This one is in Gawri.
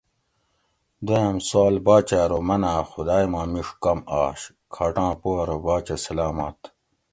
دویاۤم سوال باچہ ارو مناۤں خدائے ما میڛ کم آش؟ کھاٹاں پو ارو باچہ سلامات